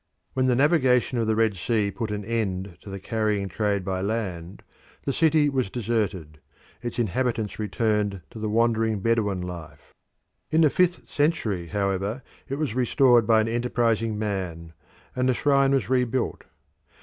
When the navigation of the Red Sea put an end to the carrying trade by land the city was deserted; its inhabitants returned to the wandering Bedouin life. In the fifth century, however, it was restored by an enterprising man, and the shrine was rebuilt.